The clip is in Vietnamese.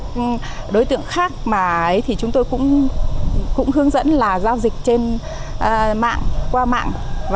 các đối tượng khác mà ấy thì chúng tôi cũng hướng dẫn là giao dịch trên mạng qua mạng